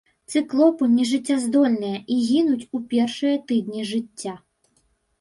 Цыклопы нежыццяздольныя і гінуць у першыя тыдні жыцця.